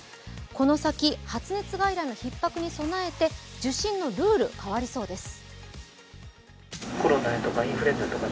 この先、発熱外来のひっ迫に備えて受診のルールが変わりそうです。